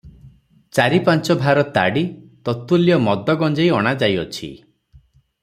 ଚାରି ପାଞ୍ଚ ଭାର ତାଡ଼ି, ତତ୍ତୁଲ୍ୟ ମଦ ଗଞ୍ଜେଇ ଅଣା ଯାଇଅଛି ।